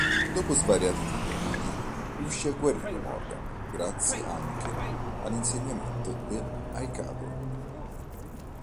Dopo svariati tentativi, riuscì a guarire Morgan grazie anche all'insegnamento dell'aikidō.